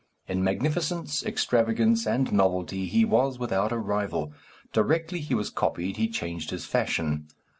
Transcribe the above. In magnificence, extravagance, and novelty he was without a rival. Directly he was copied he changed his fashion.